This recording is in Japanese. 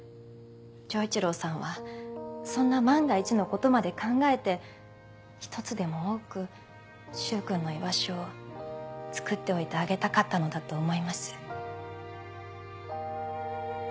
丈一郎さんはそんな万が一のことまで考えて一つでも多く柊君の居場所をつくっておいてあげたかったのだと思います。